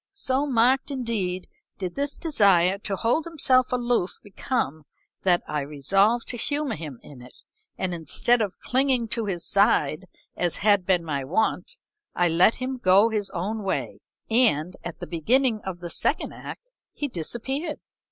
So marked indeed did this desire to hold himself aloof become that I resolved to humor him in it, and instead of clinging to his side as had been my wont, I let him go his own way, and, at the beginning of the second act, he disappeared.